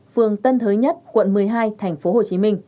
phường tân hồ